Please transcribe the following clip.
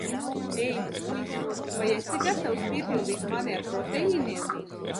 Ei, puis, vai esi gatavs piepildīt mani ar proteīniem?